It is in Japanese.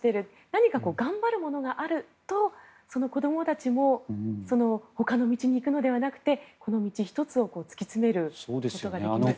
何か、頑張るものがあると子どもたちもほかの道に行くのではなくてこの道一つを突き詰めることができますね。